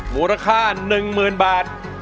มูลค่า๑หมื่นบาท